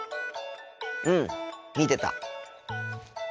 うん見てた。